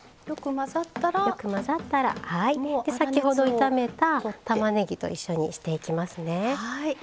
よく混ざったら先ほど炒めたたまねぎと一緒にしていきますね。